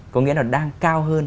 có nghĩa là đang cao hơn